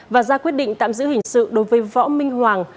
và ra quyết định tạm giữ hình sự đối với võ minh hoàng